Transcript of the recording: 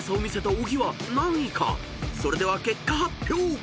［それでは結果発表］